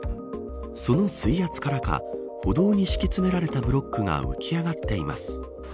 その水圧からか歩道に敷き詰められたブロックが浮き上がっています。